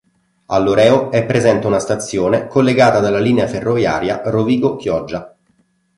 A Loreo è presente una stazione collegata dalla linea ferroviaria Rovigo-Chioggia.